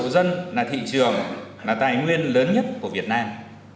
dân là thị trường là tài nguyên lớn nhất của việt nam